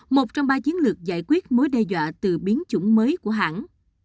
một trong ba chiến lược giải quyết mối đe dọa từ biến chủng mới của hãng